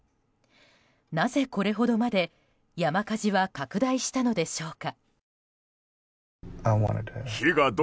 なぜ、これほどまで山火事は拡大したのでしょうか。